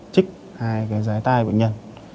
chích hai cái giái tai bệnh nhân